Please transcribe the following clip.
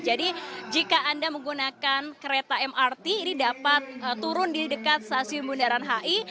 jadi jika anda menggunakan kereta mrt ini dapat turun di dekat stasiun bundaran hi